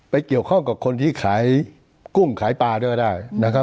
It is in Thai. เกี่ยวข้องกับคนที่ขายกุ้งขายปลาด้วยได้นะครับ